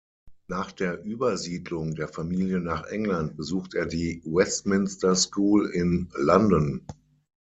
Nach der Übersiedlung der Familie nach England besucht er die "Westminster School" in London.